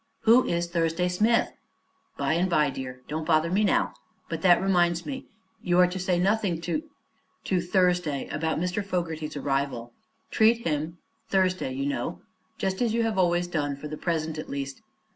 "Who is Thursday Smith?" "By and by, dear. Don't bother me now. But that reminds me; you are to say nothing to to Thursday about Mr. Fogerty's arrival. Treat him Thursday, you know just as you have always done, for the present, at least.